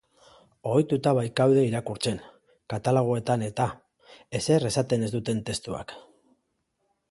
Ohituta baikaude irakurtzen, katalogoetan-eta, ezer esaten ez duten testuak.